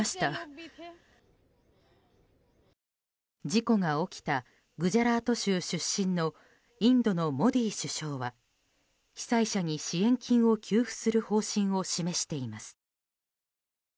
事故が起きたグジャラート州出身のインドのモディ首相は被災者に支援金を給付する方針を示しています。